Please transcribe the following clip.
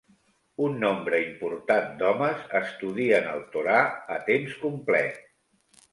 Un nombre important d'homes estudien el Torà a temps complet.